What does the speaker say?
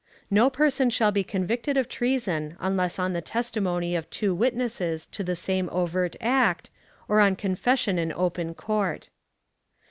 No person shall be convicted of treason unless on the testimony of two witnesses to the same overt act, or on confession in open court.